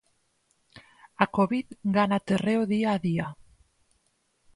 A covid gana terreo día a día.